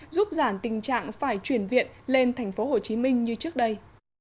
giúp giảm tình trạng phải chuyển viện lên thành phố hồ chí minh như trước đây